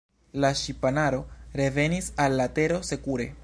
La ŝipanaro revenis al la Tero sekure.